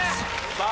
さあ